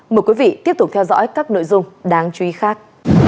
mời quý vị tiếp tục theo dõi các nội dung đáng chú ý khác